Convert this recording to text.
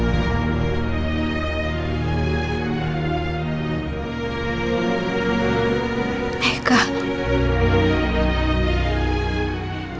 ibu sayang sekali sama meka